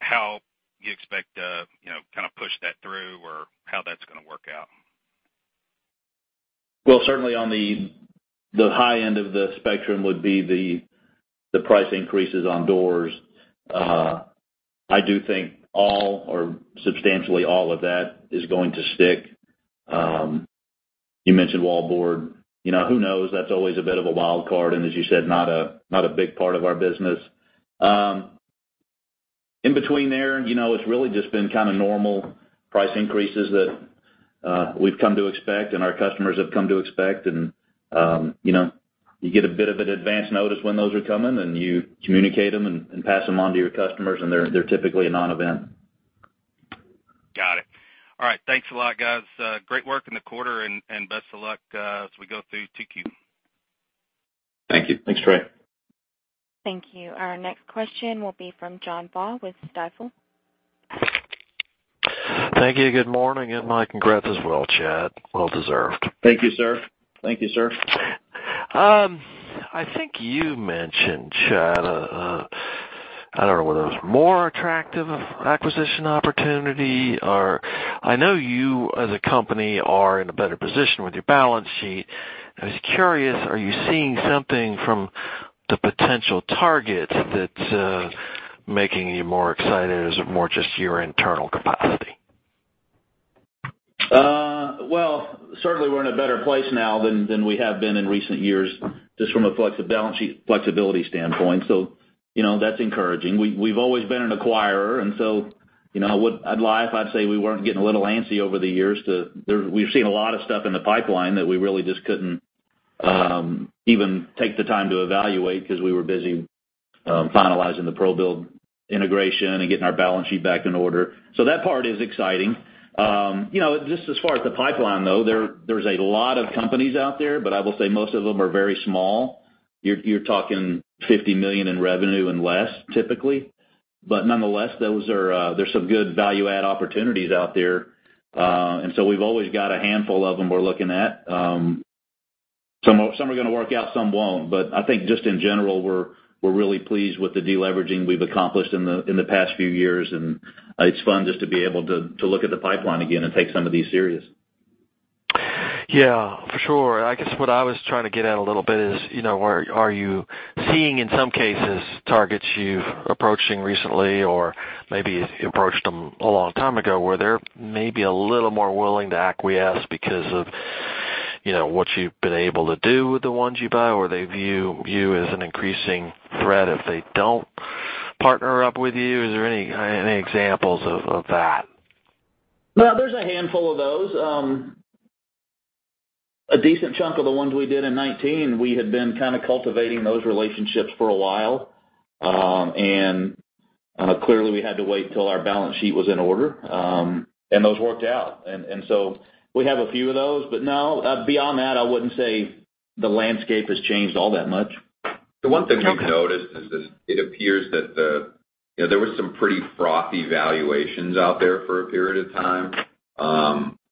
how you expect to kind of push that through or how that's going to work out? Well, certainly on the high end of the spectrum would be the price increases on doors. I do think all or substantially all of that is going to stick. You mentioned Wallboard. Who knows? That's always a bit of a wild card and as you said, not a big part of our business. In between there, it's really just been kind of normal price increases that we've come to expect and our customers have come to expect, and you get a bit of an advance notice when those are coming, and you communicate them and pass them on to your customers, and they're typically a non-event. Got it. All right. Thanks a lot, guys. Great work in the quarter, and best of luck as we go through 2Q. Thank you. Thanks, Trey. Thank you. Our next question will be from John Baugh with Stifel. Thank you. Good morning, and my congrats as well, Chad. Well deserved. Thank you, sir. I think you mentioned, Chad, I don't know whether it was more attractive acquisition opportunity or I know you as a company are in a better position with your balance sheet. I was curious, are you seeing something from the potential targets that's making you more excited, or is it more just your internal capacity? Certainly, we're in a better place now than we have been in recent years, just from a balance sheet flexibility standpoint. That's encouraging. We've always been an acquirer. I'd lie if I'd say we weren't getting a little antsy over the years. We've seen a lot of stuff in the pipeline that we really just couldn't even take the time to evaluate because we were busy finalizing the ProBuild integration and getting our balance sheet back in order. That part is exciting. Just as far as the pipeline, though, there's a lot of companies out there. I will say most of them are very small. You're talking $50 million in revenue and less typically. Nonetheless, there's some good value add opportunities out there. We've always got a handful of them we're looking at. Some are going to work out, some won't. I think just in general, we're really pleased with the de-leveraging we've accomplished in the past few years, and it's fun just to be able to look at the pipeline again and take some of these serious. Yeah, for sure. I guess what I was trying to get at a little bit is, are you seeing, in some cases, targets you've approaching recently or maybe approached them a long time ago, where they're maybe a little more willing to acquiesce because of what you've been able to do with the ones you buy? Or they view you as an increasing threat if they don't partner up with you? Is there any examples of that? There's a handful of those. A decent chunk of the ones we did in 2019, we had been kind of cultivating those relationships for a while. Clearly, we had to wait till our balance sheet was in order, and those worked out. We have a few of those, no, beyond that, I wouldn't say the landscape has changed all that much. Okay. The one thing we've noticed is that it appears that there was some pretty frothy valuations out there for a period of time.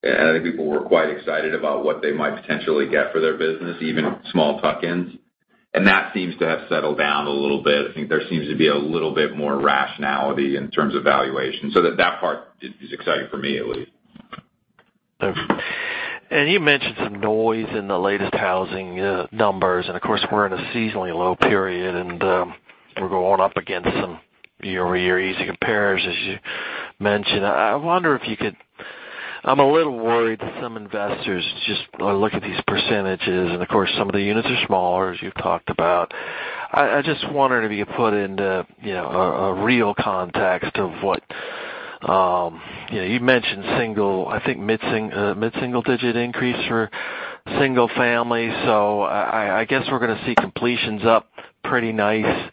I think people were quite excited about what they might potentially get for their business, even small tuck-ins. That seems to have settled down a little bit. I think there seems to be a little bit more rationality in terms of valuation. That part is exciting for me, at least. You mentioned some noise in the latest housing numbers, and of course, we're in a seasonally low period, and we're going up against some year-over-year easy compares, as you mentioned. I'm a little worried that some investors just look at these %, and of course, some of the units are smaller, as you've talked about. I just wondered if you could put into a real context of what You've mentioned mid-single digit increase for single family. I guess we're going to see completions up pretty nice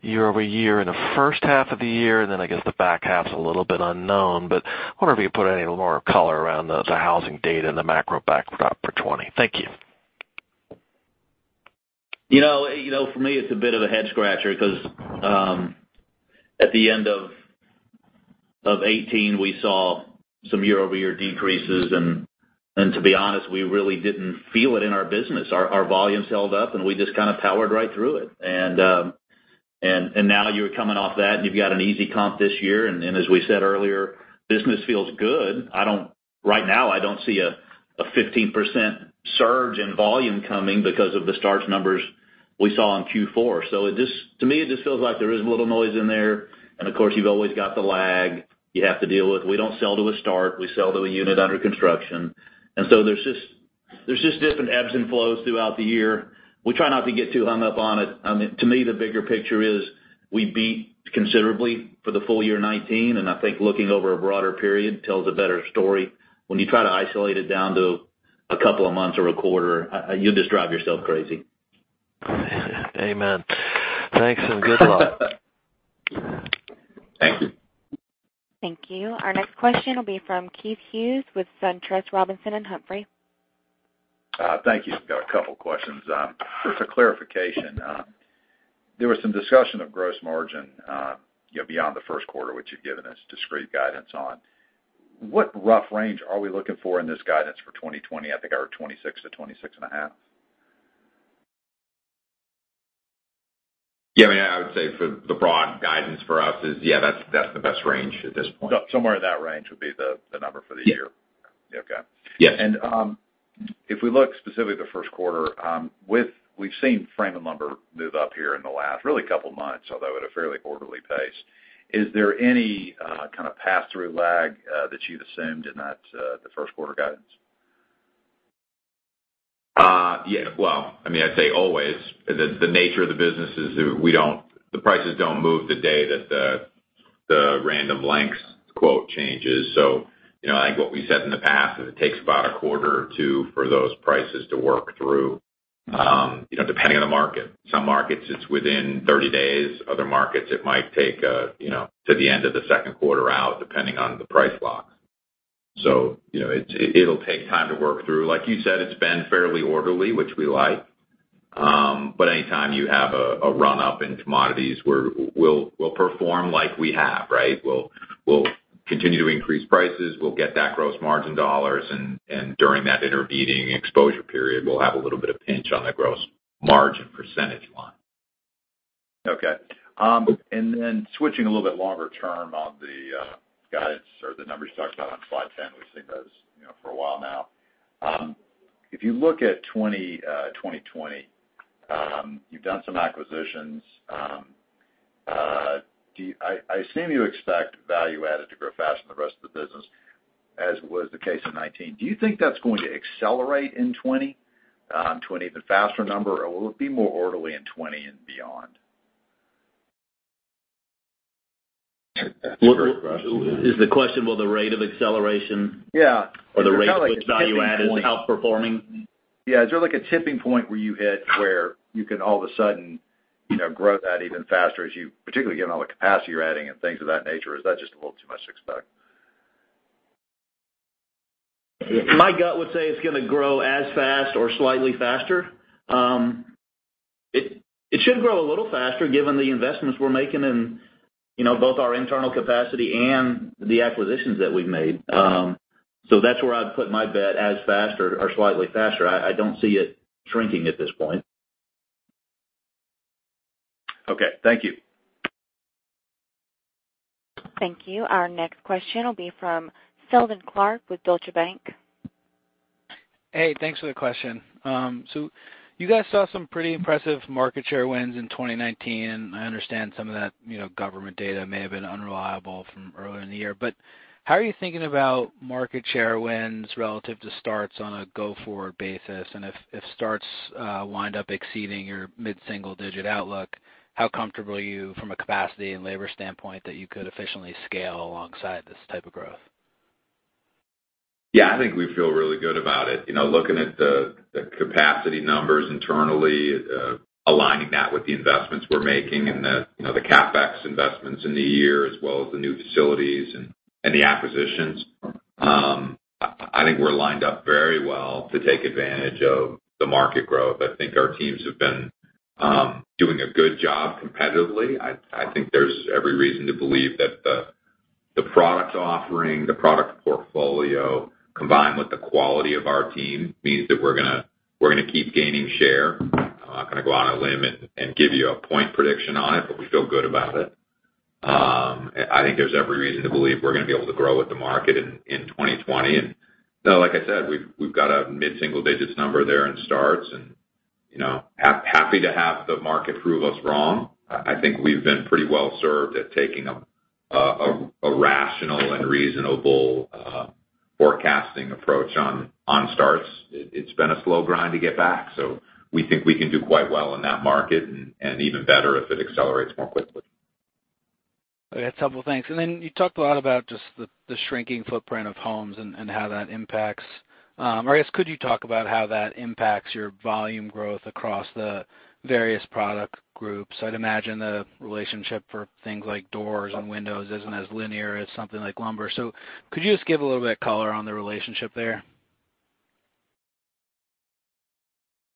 year-over-year in the first half of the year, then I guess the back half's a little bit unknown. I wonder if you could put any more color around the housing data and the macro backdrop for 2020. Thank you. For me, it's a bit of a head scratcher because at the end of 2018, we saw some year-over-year decreases, and to be honest, we really didn't feel it in our business. Our volumes held up, and we just kind of powered right through it. Now you're coming off that, and you've got an easy comp this year, and as we said earlier, business feels good. Right now, I don't see a 15% surge in volume coming because of the starts numbers we saw in Q4. To me, it just feels like there is a little noise in there, and of course, you've always got the lag you have to deal with. We don't sell to a start, we sell to a unit under construction. There's just different ebbs and flows throughout the year. We try not to get too hung up on it. To me, the bigger picture is we beat considerably for the full year 2019, and I think looking over a broader period tells a better story. When you try to isolate it down to a couple of months or a quarter, you'll just drive yourself crazy. Amen. Thanks and good luck. Thank you. Thank you. Our next question will be from Keith Hughes with SunTrust Robinson Humphrey. Thank you. Got a couple of questions. Just a clarification. There was some discussion of gross margin beyond the first quarter, which you've given us discrete guidance on. What rough range are we looking for in this guidance for 2020? I think around 26%-26.5%. Yeah. I would say for the broad guidance for us is, yeah, that's the best range at this point. Somewhere in that range would be the number for the year? Yeah. Okay. Yeah. If we look specifically at the first quarter, we've seen frame and lumber move up here in the last really couple of months, although at a fairly orderly pace. Is there any kind of pass-through lag that you've assumed in the first quarter guidance? Well, I'd say always. The nature of the business is the prices don't move the day that the Random Lengths quote changes. Like what we said in the past, it takes about a quarter or two for those prices to work through depending on the market. Some markets, it's within 30 days. Other markets, it might take to the end of the second quarter out, depending on the price blocks. It'll take time to work through. Like you said, it's been fairly orderly, which we like. Anytime you have a run-up in commodities, we'll perform like we have, right? We'll continue to increase prices. We'll get that gross margin dollars, and during that intervening exposure period, we'll have a little bit of pinch on the gross margin percentage line. Okay. Switching a little bit longer term on the guidance or the numbers you talked about on slide 10, we've seen those for a while now. If you look at 2020, you've done some acquisitions. I assume you expect value added to grow faster than the rest of the business, as was the case in 2019. Do you think that's going to accelerate in 2020 to an even faster number, or will it be more orderly in 2020 and beyond? That's a great question. Is the question, will the rate of acceleration? Yeah. The rate of which value added is outperforming? Yeah. Is there a tipping point where you hit where you can all of a sudden grow that even faster as you, particularly given all the capacity you're adding and things of that nature? Is that just a little too much to expect? My gut would say it's going to grow as fast or slightly faster. It should grow a little faster given the investments we're making in both our internal capacity and the acquisitions that we've made. That's where I'd put my bet, as fast or slightly faster. I don't see it shrinking at this point. Okay. Thank you. Thank you. Our next question will be from Seldon Clarke with Deutsche Bank. Hey, thanks for the question. You guys saw some pretty impressive market share wins in 2019, I understand some of that government data may have been unreliable from earlier in the year, how are you thinking about market share wins relative to starts on a go-forward basis? If starts wind up exceeding your mid-single-digit outlook, how comfortable are you from a capacity and labor standpoint that you could efficiently scale alongside this type of growth? Yeah, I think we feel really good about it. Looking at the capacity numbers internally, aligning that with the investments we're making and the CapEx investments in the year, as well as the new facilities and the acquisitions. I think we're lined up very well to take advantage of the market growth. I think our teams have been doing a good job competitively. I think there's every reason to believe that the product offering, the product portfolio, combined with the quality of our team, means that we're going to keep gaining share. I'm not going to go on a limb and give you a point prediction on it, but we feel good about it. I think there's every reason to believe we're going to be able to grow with the market in 2020. Like I said, we've got a mid-single digits number there in starts, and happy to have the market prove us wrong. I think we've been pretty well-served at taking a rational and reasonable forecasting approach on starts. It's been a slow grind to get back. We think we can do quite well in that market, and even better if it accelerates more quickly That's helpful. Thanks. Then you talked a lot about just the shrinking footprint of homes and how that impacts, I guess, could you talk about how that impacts your volume growth across the various product groups? I'd imagine the relationship for things like doors and windows isn't as linear as something like lumber. Could you just give a little bit of color on the relationship there?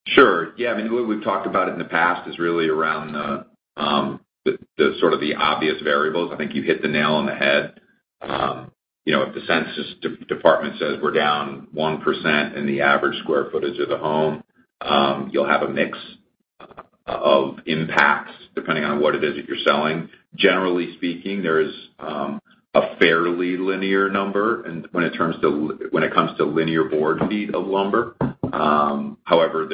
Sure. Yeah. We've talked about it in the past, is really around the sort of the obvious variables. I think you hit the nail on the head. If the Census Department says we're down 1% in the average square footage of the home, you'll have a mix of impacts depending on what it is that you're selling. Generally speaking, there is a fairly linear number when it comes to linear board feet of lumber. However,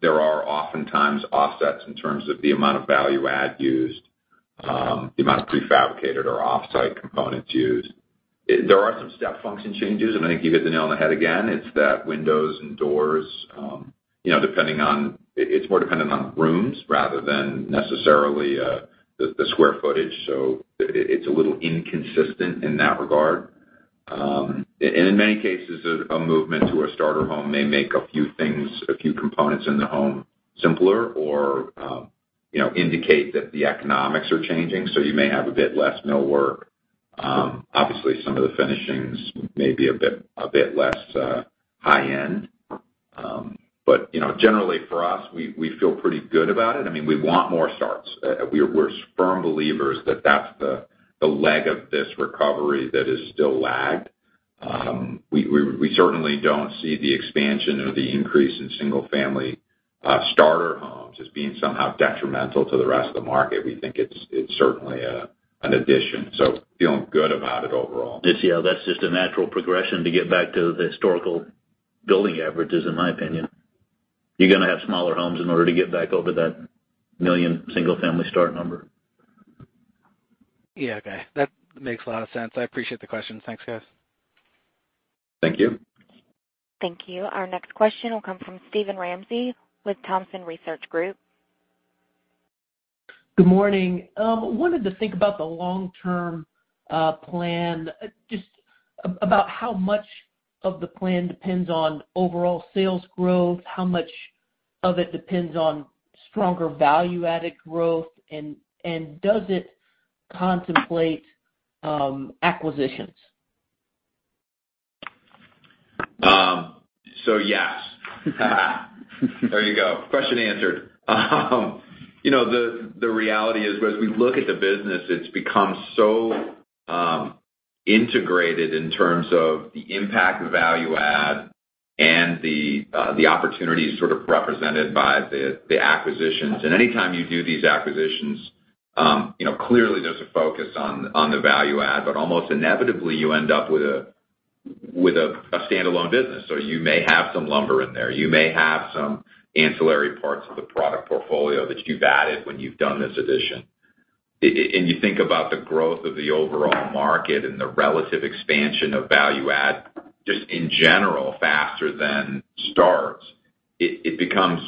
there are oftentimes offsets in terms of the amount of value add used, the amount of prefabricated or off-site components used. There are some step function changes, and I think you hit the nail on the head again. It's that windows and doors, it's more dependent on rooms rather than necessarily the square footage. It's a little inconsistent in that regard. In many cases, a movement to a starter home may make a few things, a few components in the home simpler or indicate that the economics are changing. You may have a bit less millwork. Obviously, some of the finishings may be a bit less high-end. Generally for us, we feel pretty good about it. We want more starts. We're firm believers that that's the leg of this recovery that is still lagged. We certainly don't see the expansion or the increase in single-family starter homes as being somehow detrimental to the rest of the market. We think it's certainly an addition, so feeling good about it overall. Yeah. That's just a natural progression to get back to the historical building averages, in my opinion. You're going to have smaller homes in order to get back over that 1 million single-family start number. Yeah. Okay. That makes a lot of sense. I appreciate the questions. Thanks, guys. Thank you. Thank you. Our next question will come from Steven Ramsey with Thompson Research Group. Good morning. I wanted to think about the long-term plan, just about how much of the plan depends on overall sales growth, how much of it depends on stronger value-added growth, and does it contemplate acquisitions? Yes. There you go. Question answered. The reality is, as we look at the business, it's become so integrated in terms of the impact of value add and the opportunities sort of represented by the acquisitions. Anytime you do these acquisitions, clearly there's a focus on the value add, but almost inevitably, you end up with a standalone business. You may have some lumber in there, you may have some ancillary parts of the product portfolio that you've added when you've done this addition. You think about the growth of the overall market and the relative expansion of value add, just in general, faster than starts. It becomes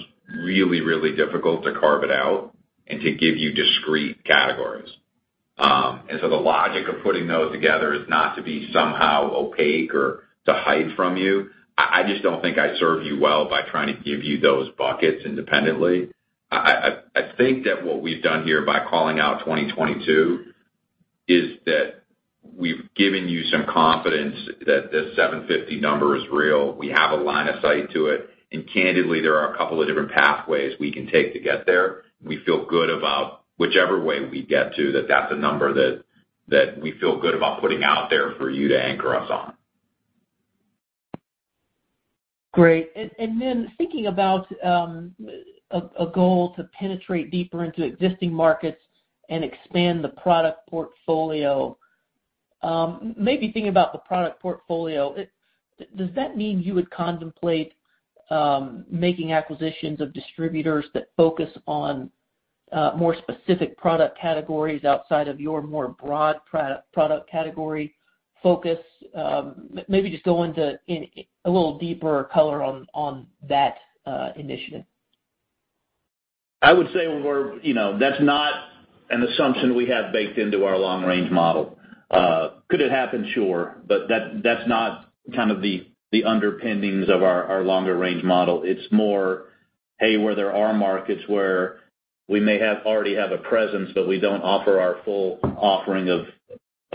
really, really difficult to carve it out and to give you discrete categories. The logic of putting those together is not to be somehow opaque or to hide from you. I just don't think I serve you well by trying to give you those buckets independently. I think that what we've done here by calling out 2022 is that we've given you some confidence that the 750 number is real. We have a line of sight to it, candidly, there are a couple of different pathways we can take to get there. We feel good about whichever way we get to that's a number that we feel good about putting out there for you to anchor us on. Great. Thinking about, a goal to penetrate deeper into existing markets and expand the product portfolio. Thinking about the product portfolio, does that mean you would contemplate making acquisitions of distributors that focus on more specific product categories outside of your more broad product category focus? Just go into a little deeper color on that initiative. I would say that's not an assumption we have baked into our long-range model. Could it happen? Sure. That's not the underpinnings of our longer range model. It's more, hey, where there are markets where we may already have a presence, but we don't offer our full offering of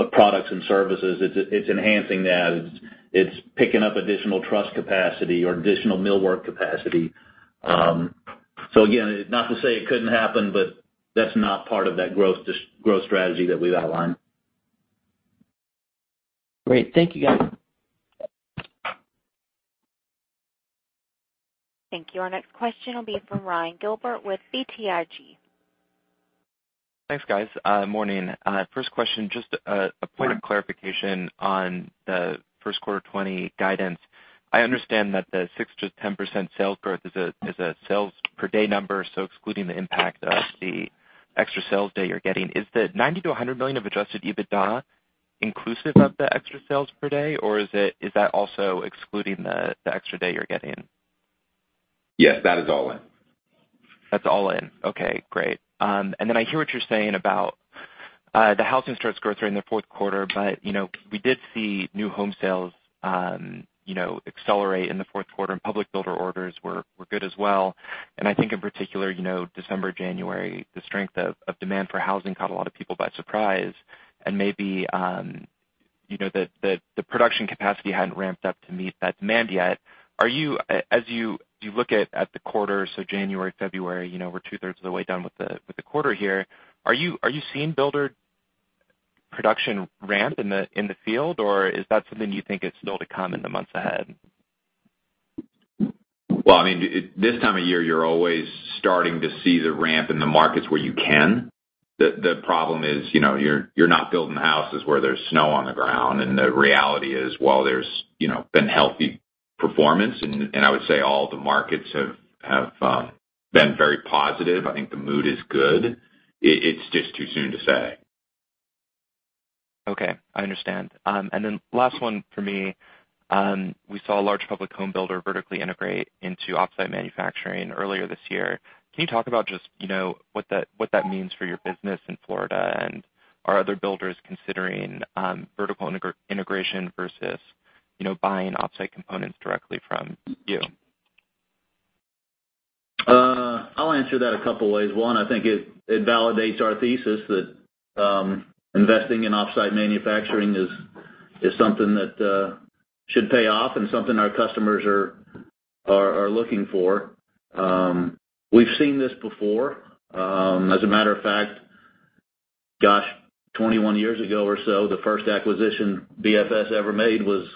products and services, it's enhancing that. It's picking up additional truss capacity or additional millwork capacity. Again, not to say it couldn't happen, but that's not part of that growth strategy that we've outlined. Great. Thank you, guys. Thank you. Our next question will be from Ryan Gilbert with BTIG. Thanks, guys. Morning. First question, just a point of clarification on the first quarter 2020 guidance. I understand that the 6%-10% sales growth is a sales per day number, so excluding the impact of the extra sales day you're getting. Is the $90 million-$100 million of adjusted EBITDA inclusive of the extra sales per day, or is that also excluding the extra day you're getting? Yes, that is all in. That's all in. Okay, great. I hear what you're saying about the housing starts growth rate in the fourth quarter, but we did see new home sales accelerate in the fourth quarter, and public builder orders were good as well. I think in particular December, January, the strength of demand for housing caught a lot of people by surprise. Maybe the production capacity hadn't ramped up to meet that demand yet. As you look at the quarter, January, February, we're 2/3 of the way done with the quarter here. Are you seeing builder production ramp in the field, or is that something you think is still to come in the months ahead? Well, this time of year, you're always starting to see the ramp in the markets where you can. The problem is you're not building houses where there's snow on the ground, and the reality is while there's been healthy performance, and I would say all the markets have been very positive. I think the mood is good. It's just too soon to say. Okay, I understand. Last one for me. We saw a large public home builder vertically integrate into off-site manufacturing earlier this year. Can you talk about just what that means for your business in Florida, and are other builders considering vertical integration versus buying off-site components directly from you? I'll answer that a couple ways. One, I think it validates our thesis that investing in off-site manufacturing is something that should pay off and something our customers are looking for. We've seen this before. As a matter of fact, gosh, 21 years ago or so, the first acquisition BFS ever made was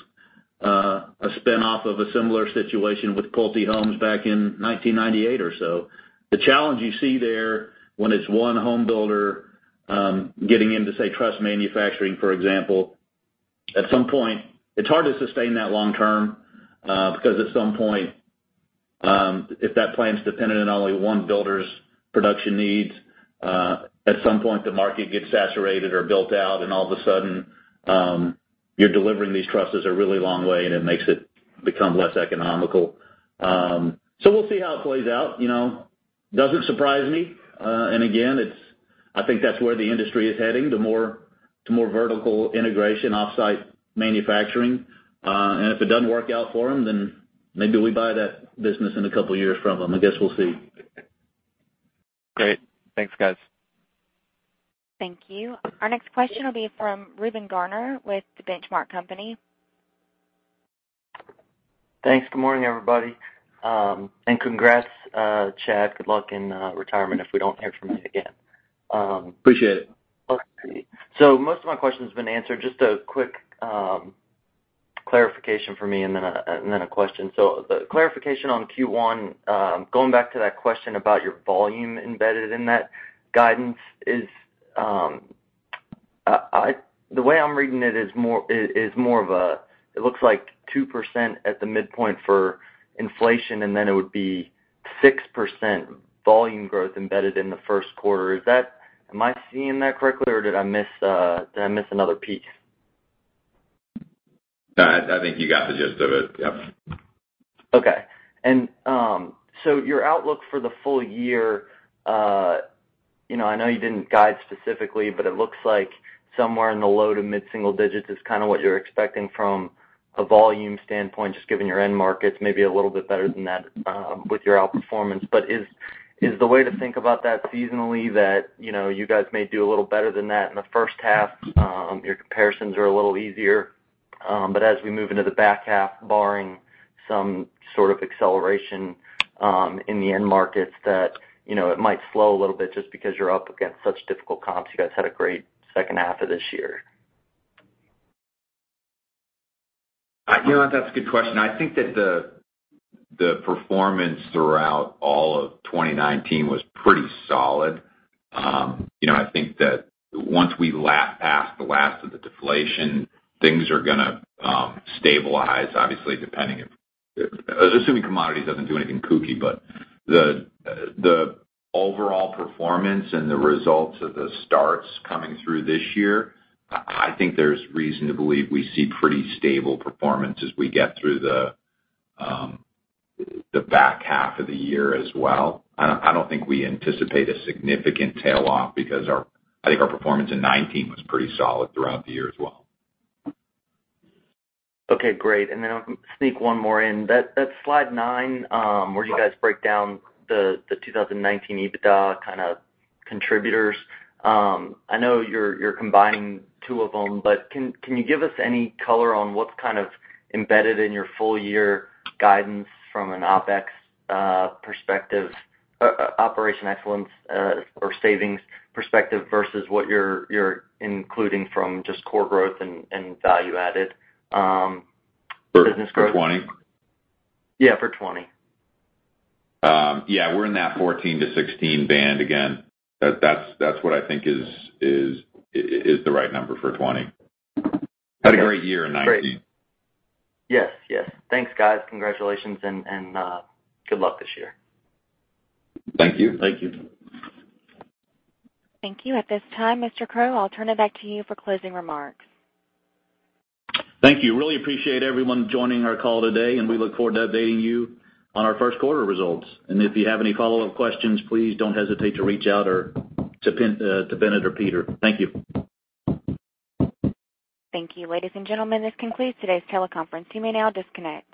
a spin-off of a similar situation with Pulte Homes back in 1998 or so. The challenge you see there when it's one home builder getting into, say, truss manufacturing, for example. At some point, it's hard to sustain that long term, because at some point, if that plant's dependent on only one builder's production needs, at some point the market gets saturated or built out and all of a sudden, you're delivering these trusses a really long way and it makes it become less economical. We'll see how it plays out. Doesn't surprise me. Again, I think that's where the industry is heading, to more vertical integration, off-site manufacturing. If it doesn't work out for them, then maybe we buy that business in a couple years from them. I guess we'll see. Great. Thanks, guys. Thank you. Our next question will be from Reuben Garner with The Benchmark Company. Thanks. Good morning, everybody. Congrats, Chad, good luck in retirement if we don't hear from you again. Appreciate it. Most of my questions have been answered. Just a quick clarification for me and then a question. The clarification on Q1, going back to that question about your volume embedded in that guidance is. The way I'm reading it is more of a, it looks like 2% at the midpoint for inflation, and then it would be 6% volume growth embedded in the first quarter. Am I seeing that correctly, or did I miss another piece? No, I think you got the gist of it. Yep. Okay. Your outlook for the full year, I know you didn't guide specifically, but it looks like somewhere in the low to mid single digits is kind of what you're expecting from a volume standpoint, just given your end markets, maybe a little bit better than that with your outperformance. Is the way to think about that seasonally that you guys may do a little better than that in the first half? Your comparisons are a little easier. As we move into the back half, barring some sort of acceleration in the end markets that it might slow a little bit just because you're up against such difficult comps. You guys had a great second half of this year. That's a good question. I think that the performance throughout all of 2019 was pretty solid. I think that once we lap past the last of the deflation, things are going to stabilize, obviously, assuming commodities doesn't do anything kooky. The overall performance and the results of the starts coming through this year, I think there's reason to believe we see pretty stable performance as we get through the back half of the year as well. I don't think we anticipate a significant tail off because I think our performance in 2019 was pretty solid throughout the year as well. Okay, great. I'll sneak one more in. That slide nine where you guys break down the 2019 EBITDA kind of contributors. I know you're combining two of them, but can you give us any color on what's kind of embedded in your full year guidance from an OpEx perspective, operation excellence or savings perspective, versus what you're including from just core growth and value-added business growth? For 2020? Yeah, for 2020. Yeah, we're in that 14-16 band. Again, that's what I think is the right number for 2020. Had a great year in 2019. Great. Yes. Thanks, guys. Congratulations and good luck this year. Thank you. Thank you. At this time, Mr. Crow, I'll turn it back to you for closing remarks. Thank you. Really appreciate everyone joining our call today, and we look forward to updating you on our first quarter results. If you have any follow-up questions, please don't hesitate to reach out to Binit or Peter. Thank you. Thank you. Ladies and gentlemen, this concludes today's teleconference. You may now disconnect.